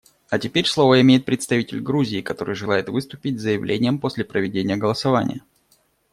А теперь слово имеет представитель Грузии, который желает выступить с заявлением после проведения голосования.